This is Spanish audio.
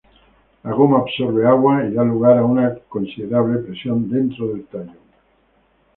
La goma absorbe agua y da lugar a una considerable presión dentro del tallo.